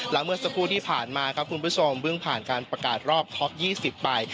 และเมื่อสักครู่ที่ผ่านมาครับคุณผู้ชมเพิ่งผ่านการประกาศรอบท็อป๒๐ไป